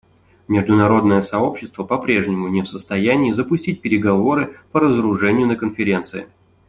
Международное сообщество по-прежнему не в состоянии запустить переговоры по разоружению на Конференции.